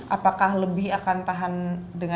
apakah lebih akan tahan dari bahannya